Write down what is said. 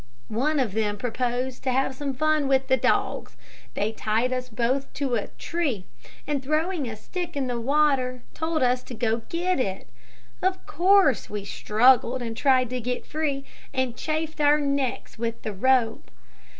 "One of them proposed to have some fun with the dogs. They tied us both to a tree, and throwing a stick in the water, told us to get it. Of course we struggled and tried to get free, and chafed our necks with the rope.